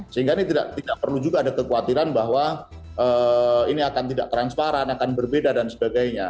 sehingga ini tidak perlu juga ada kekhawatiran bahwa ini akan tidak transparan akan berbeda dan sebagainya